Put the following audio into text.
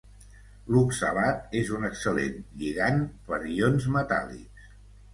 L'oxalat és un excel·lent lligand per ions metàl·lics.